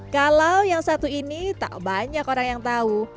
kalau yang satu ini tak banyak orang yang tahu